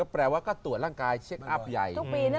แปลว่าก็ตรวจร่างกายเช็คอัพใหญ่